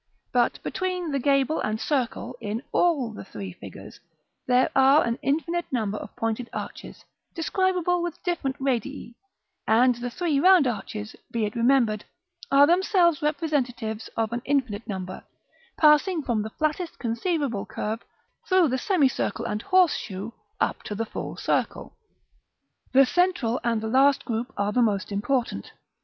But between the gable and circle, in all the three figures, there are an infinite number of pointed arches, describable with different radii; and the three round arches, be it remembered, are themselves representatives of an infinite number, passing from the flattest conceivable curve, through the semicircle and horseshoe, up to the full circle. The central and the last group are the most important.